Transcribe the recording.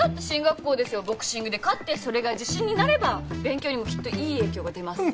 ボクシングで勝ってそれが自信になれば勉強にもきっといい影響が出ます。